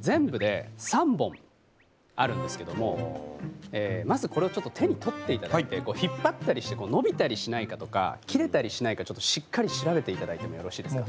全部で３本あるんですけどもまずこれをちょっと手に取っていただいて引っ張ったりして伸びたりしないかとか切れたりしないかちょっとしっかり調べていただいてもよろしいですか？